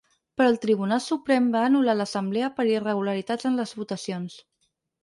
Però el Tribunal Suprem va anul·lar l’assemblea per irregularitats en les votacions.